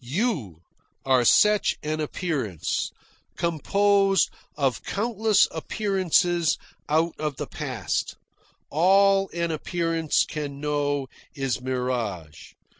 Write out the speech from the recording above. You are such an appearance, composed of countless appearances out of the past. All an appearance can know is mirage.